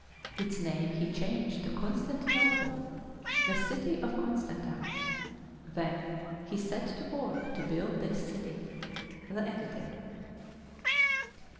Its name he changed to Constantinople, the "city of Constantine." Then he set to work to build his city. The Editor.